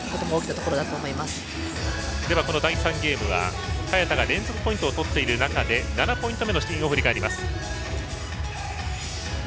この第３ゲームは早田が連続ポイントを取っている中で７ポイント目のシーンを振り返ります。